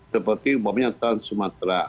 seperti trans sumatera